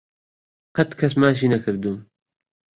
قەت کەس ماچی نەکردووم.